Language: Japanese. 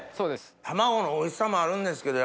卵のおいしさもあるんですけど